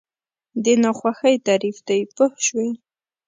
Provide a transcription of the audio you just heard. د ناخوښۍ تعریف دی پوه شوې!.